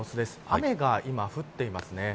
雨が今降っていますね。